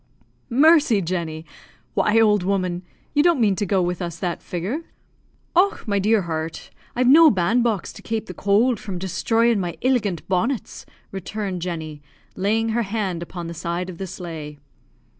"Mercy, Jenny! Why, old woman, you don't mean to go with us that figure?" "Och, my dear heart! I've no band box to kape the cowld from desthroying my illigant bonnets," returned Jenny, laying her hand upon the side of the sleigh.